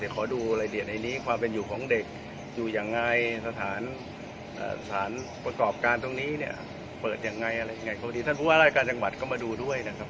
ขอดูรายละเอียดในนี้ความเป็นอยู่ของเด็กอยู่ยังไงสถานประกอบการตรงนี้เนี่ยเปิดยังไงอะไรยังไงก็ดีท่านผู้ว่าราชการจังหวัดก็มาดูด้วยนะครับ